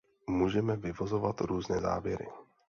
Můžeme vyvozovat různé závěry.